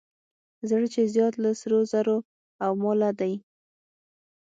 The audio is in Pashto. زړه چې زیات له سرو زرو او ماله دی.